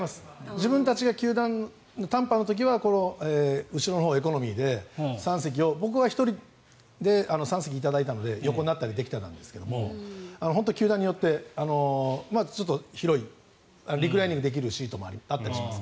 自分たちがタンパの時はこの後ろのほうのエコノミーで３席を僕は１人で３席頂いていたので横になったりできたんですが本当に球団によって広い、リクライニングできるシートもあったりします。